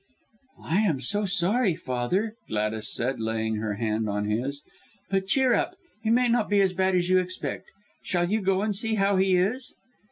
"I am so sorry, father!" Gladys said, laying her hand on his. "But cheer up! It may not be as bad as you expect. Shall you go and see how he is?"